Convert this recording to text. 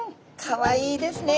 かわいいですね。